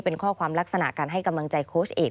เป็นข้อความลักษณะการให้กำลังใจโค้ชเอก